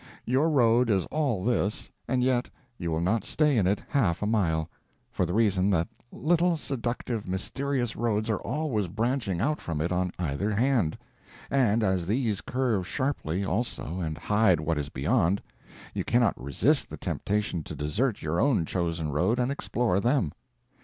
Your road is all this, and yet you will not stay in it half a mile, for the reason that little seductive, mysterious roads are always branching out from it on either hand, and as these curve sharply also and hide what is beyond, you cannot resist the temptation to desert your own chosen road and explore them.